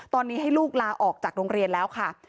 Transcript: ตอนนี้ให้ลูกลาออกจากโรงเรียนแล้วค่ะ